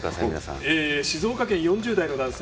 静岡県、４０代男性。